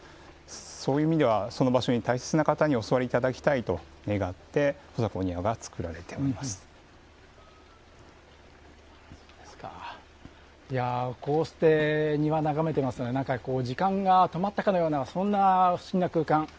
そういう意味ではその場所に大切な方にお座りいただきたいと願ってこうして庭を眺めてますとなんか時間が止まったかのようなそんな不思議な空間。